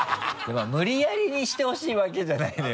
まぁ無理やりにしてほしい訳じゃないのよ。